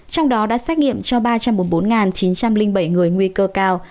trong đó đã xét nghiệm cho ba trăm bốn mươi bốn chín trăm linh bảy người nguy cơ cao